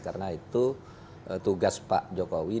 karena itu tugas pak jokowi